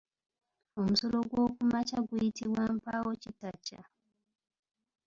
Omusulo gw’okumakya guyitibwa Mpaawokitakya.